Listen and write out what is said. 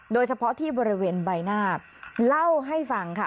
โดยเฉพาะที่บริเวณใบหน้าเล่าให้ฟังค่ะ